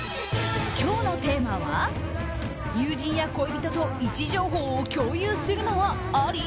今日のテーマは、友人や恋人と位置情報を共有するのはあり？